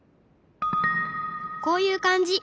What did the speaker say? こういう感じ！